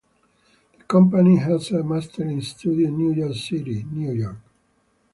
The company has a mastering studio in New York City, New York.